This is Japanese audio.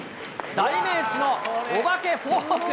代名詞のお化けフォーク。